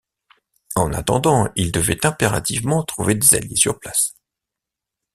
En attendant, il devait impérativement trouver des alliés sur place.